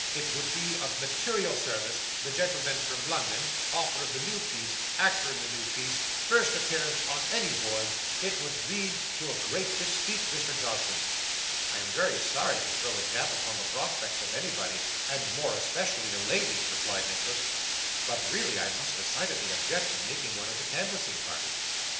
It would be of material service the gentleman from London author of the new piece actor in the new piece first appearance on any boards it would lead to a great bespeak, Mr. Johnson.' 'I am very sorry to throw a damp upon the prospects of anybody, and more especially a lady,' replied Nicholas; 'but really I must decidedly object to making one of the canvassing party.